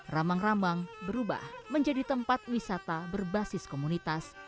ramang rambang berubah menjadi tempat wisata berbasis komunitas